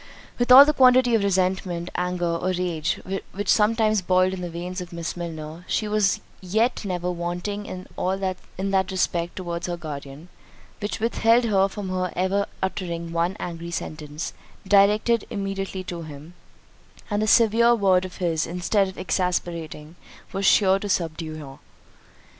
With all that quantity of resentment, anger, or rage, which sometimes boiled in the veins of Miss Milner, she was yet never wanting in that respect towards her guardian, which with held her from ever uttering one angry sentence, directed immediately to him; and a severe word of his, instead of exasperating, was sure to subdue her.